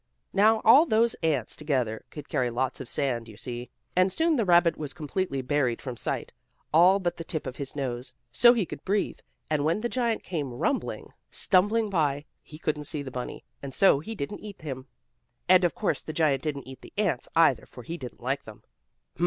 Now all those ants together could carry lots of sand, you see, and soon the rabbit was completely buried from sight, all but the tip of his nose, so he could breathe, and when the giant came rumbling, stumbling by, he couldn't see the bunny, and so he didn't eat him. And, of course, the giant didn't eat the ants, either for he didn't like them. "Hum!